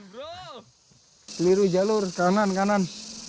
bro seliru jalur kanan kanan